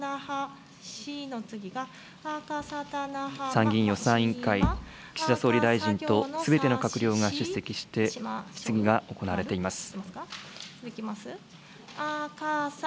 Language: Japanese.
参議院予算委員会、岸田総理大臣とすべての閣僚が出席して、質疑が行われています。